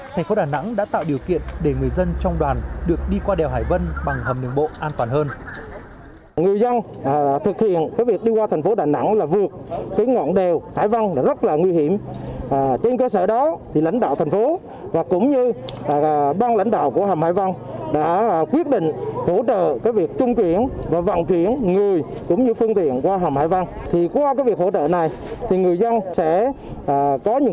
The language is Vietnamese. thành phố đà nẵng đã tạo điều kiện để người dân trong đoàn được đi qua đèo hải vân bằng hầm đường bộ an toàn hơn